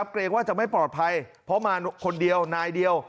เกรงว่าจะไม่ปลอดภัยเพราะมาคนเดียวนายเดียว